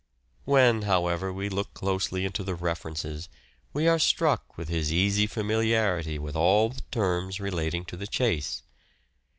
When, however, we look closely into the references we are struck with his easy famili arity with all the terms relating to the chase.